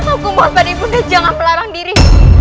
aku mohon pada ibunya jangan melarang diri